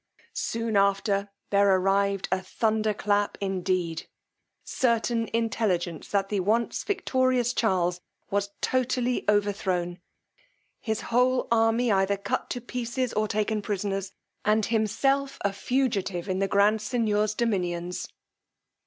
Soon after there arrived a thunder clap indeed: certain intelligence that the once victorious Charles was totally overthrown, his whole army either cut to pieces or taken prisoners, and himself a fugitive in the grand seignior's dominions.